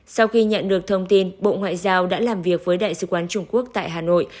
sau khi nhận được thông tin bộ ngoại giao đã làm việc với đại sứ quán trung quốc tại hà nội